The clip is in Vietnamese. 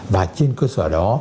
và trên cơ sở đó